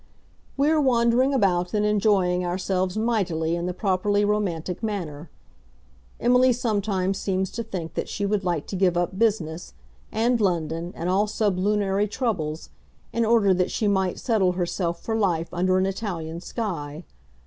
We are wandering about and enjoying ourselves mightily in the properly romantic manner. Emily sometimes seems to think that she would like to give up business, and London, and all sublunary troubles, in order that she might settle herself for life under an Italian sky.